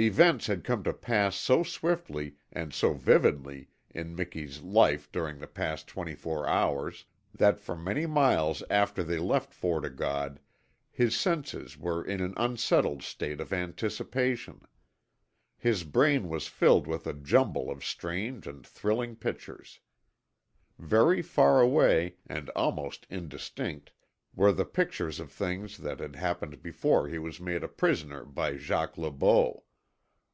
Events had come to pass so swiftly and so vividly in Miki's life during the past twenty four hours that for many miles after they left Fort O' God his senses were in an unsettled state of anticipation. His brain was filled with a jumble of strange and thrilling pictures. Very far away, and almost indistinct, were the pictures of things that had happened before he was made a prisoner by Jacques Le Beau.